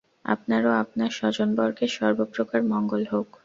আপনার ও আপনার স্বজনবর্গের সর্বপ্রকার মঙ্গল হউক।